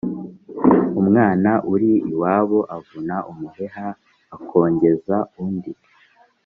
Umwana uri iwabo avuna umuheha akongeza undi